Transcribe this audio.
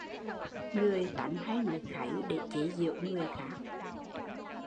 Người tánh hay nói kháy để chế diễu người khác